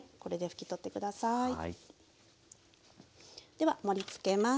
では盛りつけます。